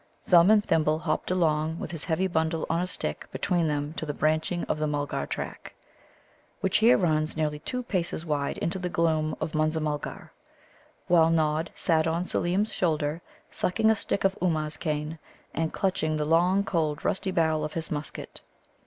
Thumb and Thimble hopped along with his heavy bundle on a stick between them to the branching of the Mulgar track, which here runs nearly two paces wide into the gloom of Munza mulgar; while Nod sat on Seelem's shoulder, sucking a stick of Ummuz cane, and clutching the long, cold, rusty barrel of his musket.